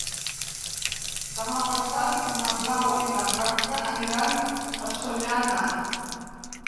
Demà passat na Blau i na Blanca aniran a Sollana.